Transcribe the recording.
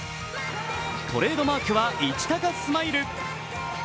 トレードマークはイチタカスマイル。